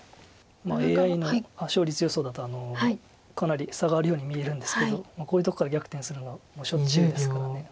ＡＩの勝率予想だとかなり差があるように見えるんですけどこういうとこから逆転するのはしょっちゅうですから。